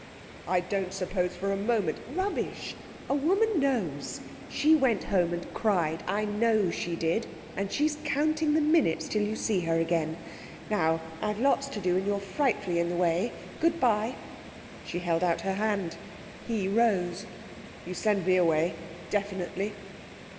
'I don't suppose for a moment ' 'Rubbish! A woman knows. She went home and cried; I know she did, and she's counting the minutes till you see her again. Now, I've lots to do, and you're frightfully in the way. Good bye.' She held out her hand. He rose. 'You send me away definitely?'